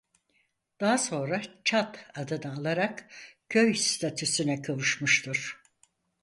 Daha sonra "Çat" adını alarak köy statüsüne kavuşmuştur.